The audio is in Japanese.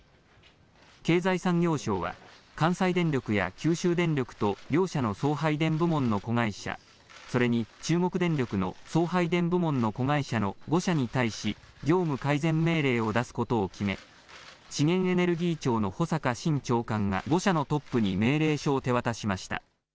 経済産業省は関西電力や九州電力と両者の送配電部門の子会社それに、中国電力の送配電部門の子会社の５社に対し業務改善命令を出すことを決め資源エネルギー庁の保坂伸長官が５社のトップに命令書を手渡しました。